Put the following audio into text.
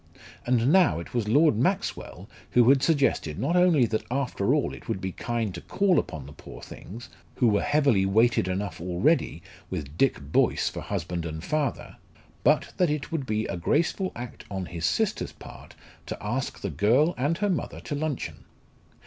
And now it was Lord Maxwell who had suggested not only that after all it would be kind to call upon the poor things, who were heavily weighted enough already with Dick Boyce for husband and father, but that it would be a graceful act on his sister's part to ask the girl and her mother to luncheon.